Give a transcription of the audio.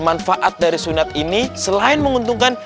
manfaat dari sunat ini selain menguntungkan